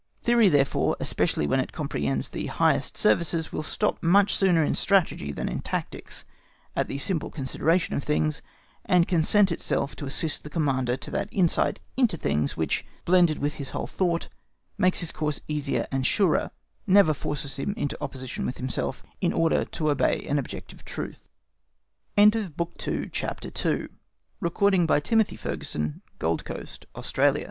Theory, therefore, especially where it comprehends the highest services, will stop much sooner in strategy than in tactics at the simple consideration of things, and content itself to assist the Commander to that insight into things which, blended with his whole thought, makes his course easier and surer, never forces him into opposition with himself in order to obey an objective truth. CHAPTER III. Art or Science of War 1.—USAGE STILL UNSETTLED (POWER AND KNOWLED